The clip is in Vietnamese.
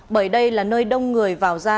bởi đây là nơi đông người vào ra